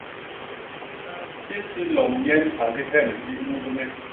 Isi lom nyen hyandi hyem hi nnuñgne.